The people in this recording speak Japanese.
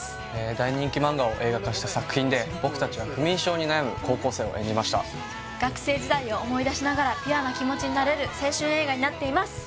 大人気漫画を映画化した作品で僕達は不眠症に悩む高校生を演じました学生時代を思い出しながらピュアな気持ちになれる青春映画になっています